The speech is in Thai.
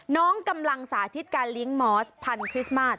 น้องกำลังสาธิตการเลี้ยงมอสพันธริสต์มาส